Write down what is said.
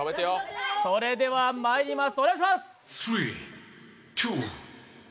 それでは、まいります！